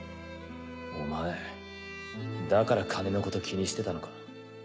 お前だから金のこと気にしてたのか。